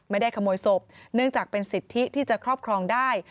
ไม่ได้ขโมยศพเนื่องจากเป็นสิทธิที่จะครอบครองได้